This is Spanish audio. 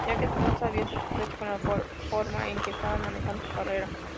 Ya que no estaba satisfecho con la forma en que estaban manejando su carrera.